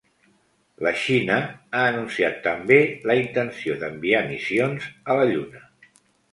La Xina ha anunciat també la intenció d'enviar missions a la Lluna.